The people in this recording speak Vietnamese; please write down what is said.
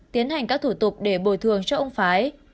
tiến hành các thủ tục để bồi thường cho ông phái